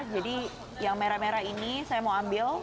jadi yang merah merah ini saya mau ambil